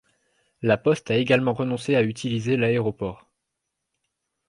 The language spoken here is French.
La Poste a également renoncé à utiliser l’aéroport.